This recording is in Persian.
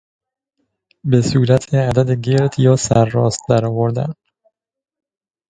به صورت عدد گرد یا سر راست درآوردن